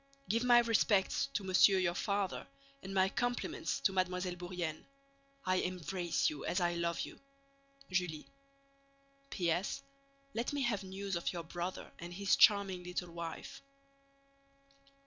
Give my respects to monsieur your father and my compliments to Mademoiselle Bourienne. I embrace you as I love you. JULIE P.S. Let me have news of your brother and his charming little wife.